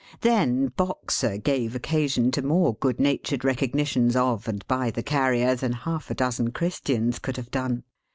Then, Boxer gave occasion to more good natured recognitions of and by the Carrier, than half a dozen Christians could have done!